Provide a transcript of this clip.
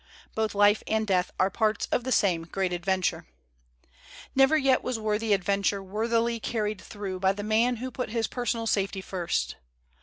Both life and death are parts of the same Great Adventure. Never yet was worthy adventure worthily carried through by the man who put his personal safety first.